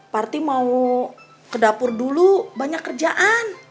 parti mau ke dapur dulu banyak kerjaan